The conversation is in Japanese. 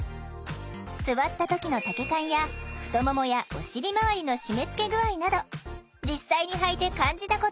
座った時の丈感や太ももやお尻回りの締めつけ具合など実際に履いて感じたことを紹介。